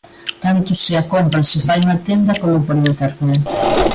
Tanto se a compra se fai na tenda como por Internet.